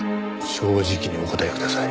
正直にお答えください。